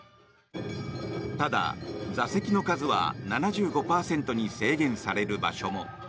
ただ、座席の数は７５％に制限される場所も。